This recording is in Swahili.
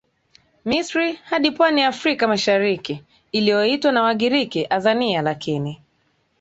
Misri hadi pwani ya Afrika Mashariki iliyoitwa na Wagiriki Azania Lakini